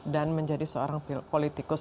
dan menjadi seorang politikus